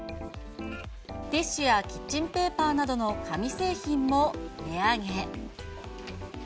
ティッシュやキッチンペーパーなどの紙製品も値上げ。